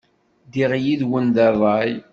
Ddiɣ yid-wen deg ṛṛay.